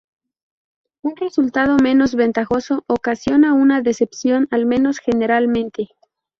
Un resultado menos ventajoso ocasiona una decepción, al menos generalmente.